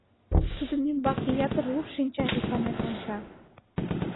Тудын ӱмбаке ятыр лу шинча ӱшанен онча.